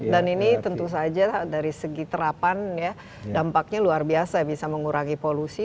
dan ini tentu saja dari segi terapan dampaknya luar biasa bisa mengurangi polusi